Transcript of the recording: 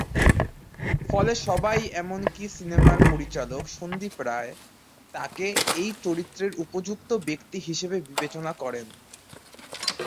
ফলে সবাই এমনকি সিনেমার পরিচালক সন্দ্বীপ রায়, তাকে এই চরিত্রের উপযুক্ত ব্যক্তি হিসেবে বিবেচনা করেন।